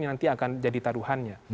nanti akan jadi taruhannya